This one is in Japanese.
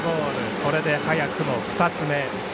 これで早くも２つ目。